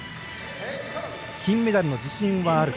金メダルの自信はあると。